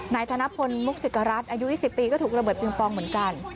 ธนพลมุกศิกรัฐอายุ๒๐ปีก็ถูกระเบิงปองเหมือนกัน